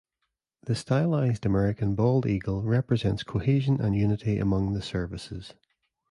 The stylized American bald eagle represents cohesion and unity among the services.